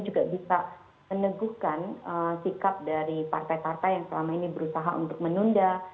juga bisa meneguhkan sikap dari partai partai yang selama ini berusaha untuk menunda